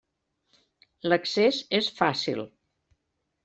L'accés és fàcil.